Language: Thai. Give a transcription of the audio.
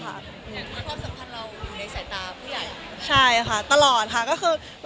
ความสำคัญราวอยู่ในสายตาผู้ใหญ่